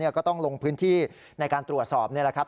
ก็ต้องลงพื้นที่ในการตรวจสอบนี่แหละครับ